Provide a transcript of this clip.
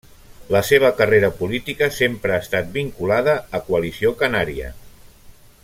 La seva carrera política sempre ha estat vinculada a Coalició Canària.